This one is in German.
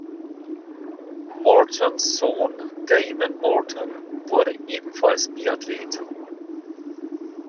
Mortons Sohn Damon Morton wurde ebenfalls Biathlet.